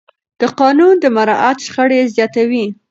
د قانون نه مراعت شخړې زیاتوي